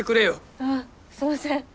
あっすみません。